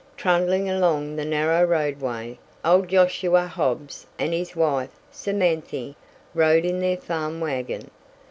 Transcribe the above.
Trundling along the narrow roadway, old Josiah Hobbs and his wife, Samanthy, rode in their farm wagon.